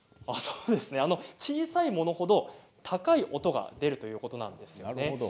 小さいものほど高い音が出るということなんです。